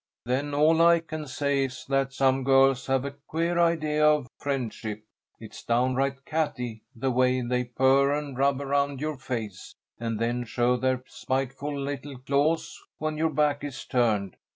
"Then all I can say is that some girls have a queer idea of friendship. It's downright catty the way they purr and rub around to your face, and then show their spiteful little claws when your back is turned.